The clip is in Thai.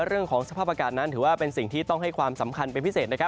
เรื่องของสภาพอากาศนั้นถือว่าเป็นสิ่งที่ต้องให้ความสำคัญเป็นพิเศษนะครับ